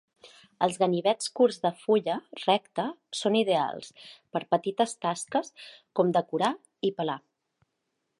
Els ganivets curts de fulla recta són ideals per a petites tasques com decorar i pelar.